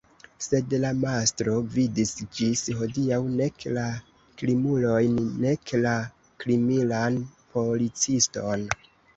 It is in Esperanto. Sed la mastro vidis ĝis hodiaŭ nek la krimulojn nek la kriminalan policiston.